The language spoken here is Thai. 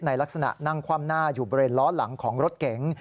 ลักษณะนั่งคว่ำหน้าอยู่บริเวณล้อหลังของรถเก๋ง